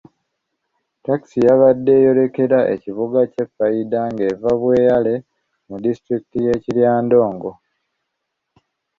Ttakisi yabadde eyolekera ekibuga ky'e Paidha ng'eva Bweyale mu disitulikiti y'e Kiryandongo.